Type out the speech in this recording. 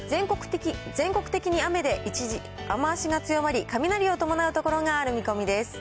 全国的に雨で、一時雨足が強まり、雷を伴う所がある見込みです。